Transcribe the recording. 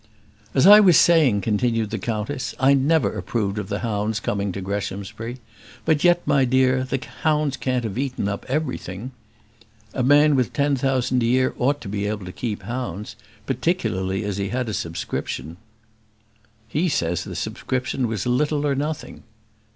"As I was saying," continued the countess, "I never approved of the hounds coming to Greshamsbury; but yet, my dear, the hounds can't have eaten up everything. A man with ten thousand a year ought to be able to keep hounds; particularly as he had a subscription." "He says the subscription was little or nothing."